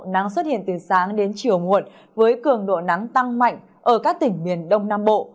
nắng xuất hiện từ sáng đến chiều muộn với cường độ nắng tăng mạnh ở các tỉnh miền đông nam bộ